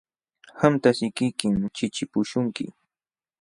Qamta sikiykim chiqchipuśhunki.